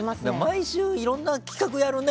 毎週、いろんな企画やるね